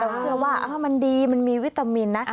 เชื่อว่ามันดีมันมีวิตามินนะ